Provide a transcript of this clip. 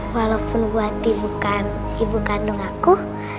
walaupun buah hati bukan ibu kandung aku